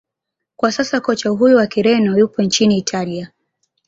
kwa sasa kocha huyo wa kireno yupo nchini italia